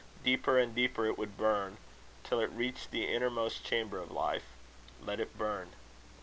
Deeper and deeper it would burn, till it reached the innermost chamber of life. Let it burn.